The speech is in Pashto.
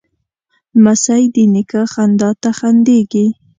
لمسی د نیکه خندا ته خندېږي.